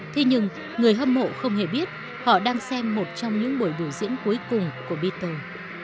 thế nhưng người hâm mộ không hề biết họ đang xem một trong những buổi biểu diễn cuối cùng của betho